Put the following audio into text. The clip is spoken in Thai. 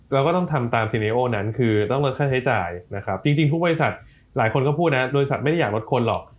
เราก็ต้องทำตามซีเนโอนั้นคือต้องลดค่าใช้จ่ายนะครับจริงทุกบริษัทหลายคนก็พูดนะบริษัทไม่ได้อยากลดคนหรอก